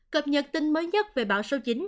cập nhật tin mới nhất về bão số chín